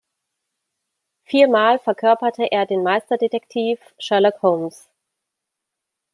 Viermal verkörperte er den Meisterdetektiv Sherlock Holmes.